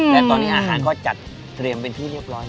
และตอนนี้อาหารก็จัดเตรียมเป็นที่เรียบร้อยแล้ว